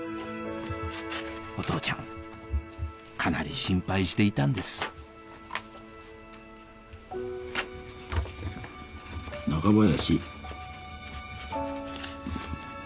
お父ちゃんかなり心配していたんです中林。